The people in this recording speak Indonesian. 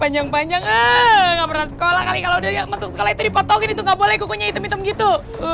panjang panjang nggak pernah sekolah kali kalau dari masuk sekolah itu dipotongin itu nggak boleh kukunya hitam hitam gitu